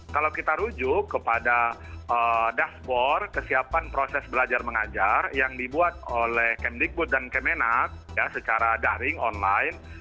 kalau kita rujuk kepada dashboard kesiapan proses belajar mengajar yang dibuat oleh kemdikbud dan kemenkes secara daring online